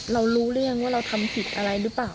เรารู้เรื่องว่าเราทำผิดอะไรรึเปล่า